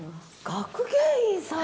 学芸員さんなの！？